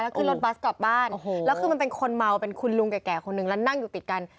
ขึ้นรถบัสกลับบ้านแล้วคือมันเป็นคนเมาเป็นคุณลุงแก่คนหนึ่งแล้วนั่งอยู่ติดกัน